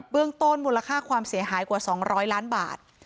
เบื้องต้นมูลค่าความเสียหายกว่า๒๐๐ล้านบาท